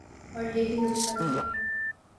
اوریہی نکتہ تھا۔